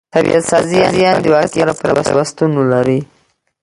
طبعت سازي؛ یعني د واقعیت سره پیوستون ولري.